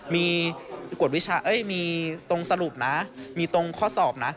มีตรงสรุปนะมีตรงข้อสอบนะ